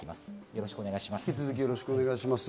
よろしくお願いします。